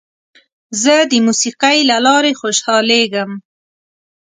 زه د موسیقۍ له لارې خوشحالېږم.